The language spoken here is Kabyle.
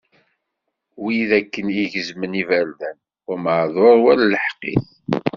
Wid akken i gezzmen iberdan, wa meɛdur, wa d lḥeqq-is.